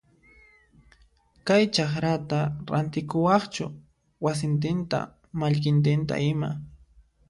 Kay chakrata rantikuwaqchu wasintinta mallkintinta ima?